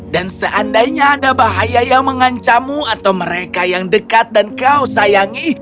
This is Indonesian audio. dan seandainya ada bahaya yang mengancamu atau mereka yang dekat dan kau sayangi